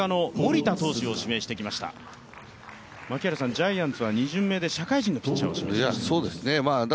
ジャイアンツは２巡目で社会人のピッチャーを指名してきました。